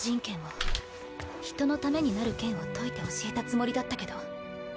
人のためになる剣を説いて教えたつもりだったけど。